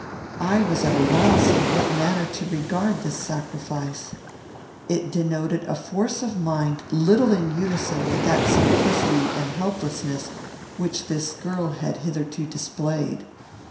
I was at a loss in what manner to regard this sacrifice. It denoted a force of mind little in unison with that simplicity and helplessness which this girl had hitherto displayed.